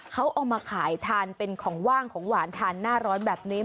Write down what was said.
เขาเอามาขายทานเป็นของว่างของหวานทานหน้าร้อนแบบนี้